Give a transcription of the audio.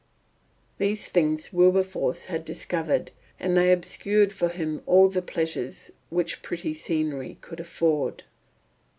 These things Wilberforce had discovered, and they obscured for him all the pleasure which pretty scenery could afford.